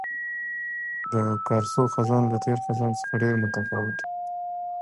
د کارسو خزان له تېر خزان څخه ډېر متفاوت وو.